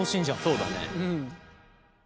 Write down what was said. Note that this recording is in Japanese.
そうだね。